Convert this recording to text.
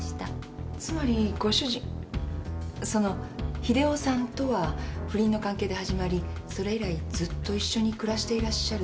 つまりご主人その秀雄さんとは不倫の関係で始まりそれ以来ずっと一緒に暮らしていらっしゃると。